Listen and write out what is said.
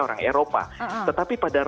orang eropa tetapi pada